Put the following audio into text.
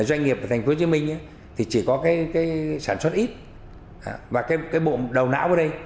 doanh nghiệp ở thành phố hồ chí minh thì chỉ có cái sản xuất ít và cái bộ đầu não ở đây